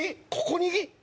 ここに！？